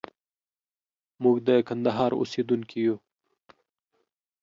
موږ د کندهار اوسېدونکي يو.